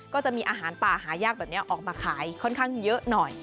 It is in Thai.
ก็จะมีอาหารป่าหายากแบบนี้ออกมาขายค่อนข้างเยอะหน่อย